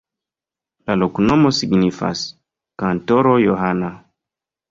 La loknomo signifas: kantoro-Johana.